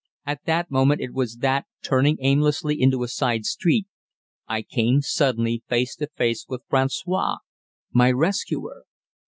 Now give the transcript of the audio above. At that moment it was that, turning aimlessly into a side street, I came suddenly face to face with François, my rescuer.